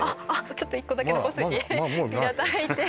ちょっと一個だけ残しといていただいて